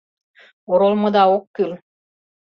— Оролымыда ок кӱл.